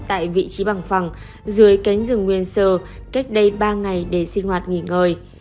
tại vị trí bằng phẳng dưới cánh rừng nguyên sơ cách đây ba ngày để sinh hoạt nghỉ ngơi